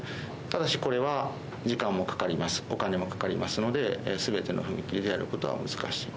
ただしこれは、時間もかかります、お金もかかりますので、すべての踏切でやることは難しい。